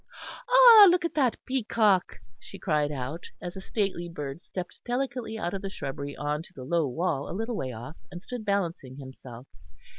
"Ah! look at that peacock," she cried out, as a stately bird stepped delicately out of the shrubbery on to the low wall a little way off, and stood balancing himself.